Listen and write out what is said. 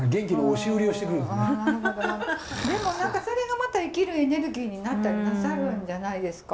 でも何かそれがまた生きるエネルギーになったりなさるんじゃないですか？